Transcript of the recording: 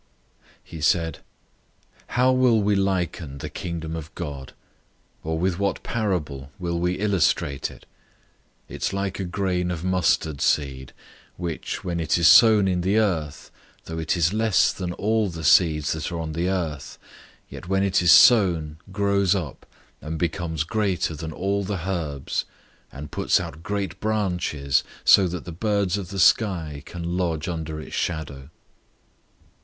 004:030 He said, "How will we liken the Kingdom of God? Or with what parable will we illustrate it? 004:031 It's like a grain of mustard seed, which, when it is sown in the earth, though it is less than all the seeds that are on the earth, 004:032 yet when it is sown, grows up, and becomes greater than all the herbs, and puts out great branches, so that the birds of the sky can lodge under its shadow."